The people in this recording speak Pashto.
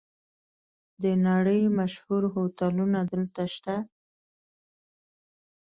د نړۍ مشهور هوټلونه دلته شته.